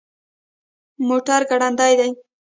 موټر ګړندی دی